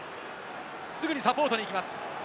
すぐにサポートに行きます。